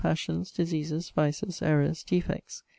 Passions, Diseases, Vices, Errours, Defects.